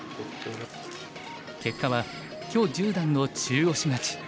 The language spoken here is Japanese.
結果は許十段の中押し勝ち。